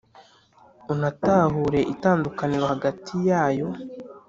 unatahure itandukaniro hagati y’ayo